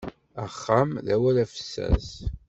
Axxam d awal afessas.